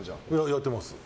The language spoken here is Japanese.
やってます。